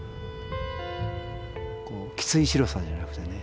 こうきつい白さじゃなくてね。